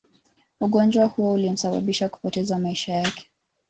Ugonjwa huo ulimsababisha kupoteza maisha yake